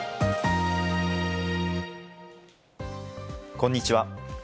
こんにちは。